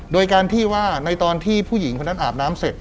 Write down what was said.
โดยการที่ว่าในตอนที่ผู้หญิงคนนั้นอาบน้ำเสร็จ